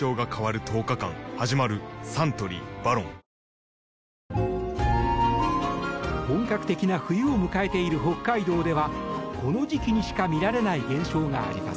サントリー「ＶＡＲＯＮ」本格的な冬を迎えている北海道ではこの時期にしか見られない現象があります。